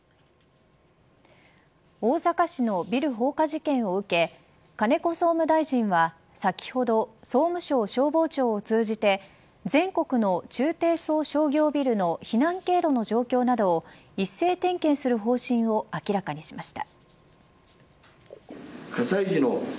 大阪市のビル放火事件を受け金子総務大臣は先ほど総務省消防庁を通じて全国の中低層商業ビルの避難経路の状況などを一斉点検する方針を明らかにしました。